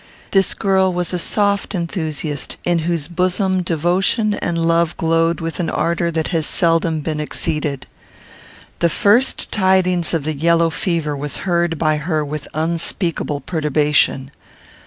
This girl was a soft enthusiast, in whose bosom devotion and love glowed with an ardour that has seldom been exceeded. The first tidings of the yellow fever was heard by her with unspeakable perturbation.